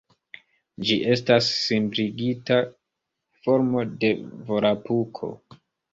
Ĝi estas simpligita formo de Volapuko.